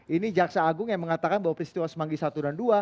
ini jaksa agung yang mengatakan bahwa peristiwa semanggi satu dan dua